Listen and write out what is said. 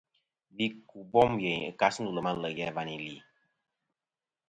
Gvi ku bom yeyn ɨ kasi ndu lem a le' ghe và nì li.